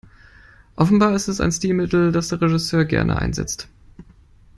Offenbar ist es ein Stilmittel, das der Regisseur gerne einsetzt.